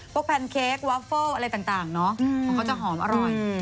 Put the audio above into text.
แพนเค้กวาเฟิลอะไรต่างเนาะของเขาจะหอมอร่อย